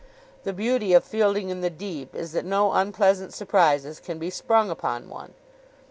The beauty of fielding in the deep is that no unpleasant surprises can be sprung upon one.